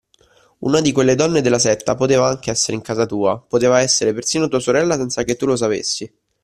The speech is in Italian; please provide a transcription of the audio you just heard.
Una di quelle donne della setta, poteva anche essere in casa tua, poteva essere persino tua sorella senza che tu lo sapessi.